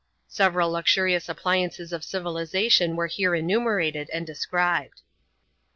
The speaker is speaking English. (Several luxurious appliances of civilization were here enumerated, and described.)